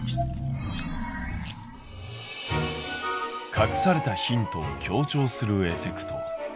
隠されたヒントを強調するエフェクト。